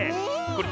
これ。